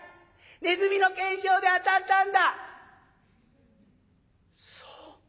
ネズミの懸賞で１５円当たったのか。